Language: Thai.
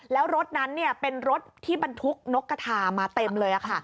แล้วรถนั้นเป็นรถที่บรรทุกนกกระทามาเต็มเลย